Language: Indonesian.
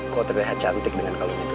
kok terlihat cantik dengan kalung itu